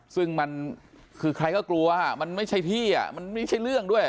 ซึ่งมันคือใครก็กลัวมันไม่ใช่ที่มันไม่ใช่เรื่องด้วย